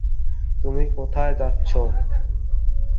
মিয়ার সাথে কাজের মাধ্যমে এরা সর্বপ্রথম পরিচিতি লাভ করে।